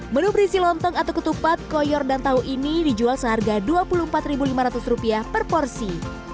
menu berisi lontong atau ketupat koyor dan tahu ini dijual seharga rp dua puluh empat lima ratus per porsi